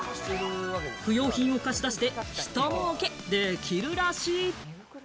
不用品を貸し出して、ひと儲けできるらしい。